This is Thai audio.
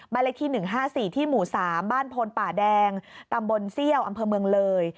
เลขที่๑๕๔ที่หมู่๓บ้านพลป่าแดงตำบลเซี่ยวอำเภอเมืองเลย